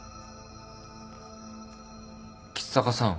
橘高さん。